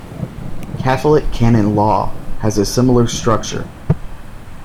Catholic Canon Law has a similar structure.